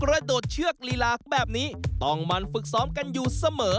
โดดเชือกลีลาแบบนี้ต้องมันฝึกซ้อมกันอยู่เสมอ